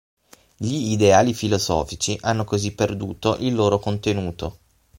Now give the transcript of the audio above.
Gli ideali filosofici hanno così perduto il loro contenuto.